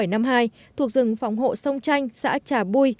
thuộc rừng phòng hộ sông chanh xã trà bui